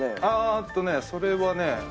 あーっとねそれはね。